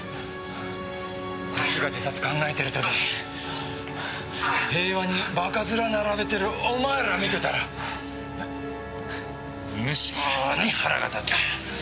こっちが自殺考えてる時に平和にバカ面並べてるお前ら見てたら無性に腹が立ってさ。